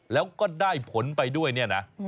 แล้วก็ได้ผลไปด้วยเนี่ยนะ